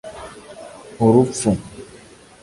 “Urupfu”